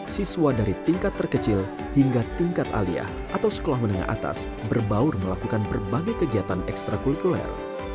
siswa dari tingkat terkecil hingga tingkat alia atau sekolah menengah atas berbaur melakukan berbagai kegiatan ekstra kulikuler